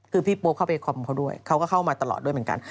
คือพี่โป๊เข้าไปคอมเขาด้วยเขาก็เข้ามาตลอดด้วยเหมือนกัน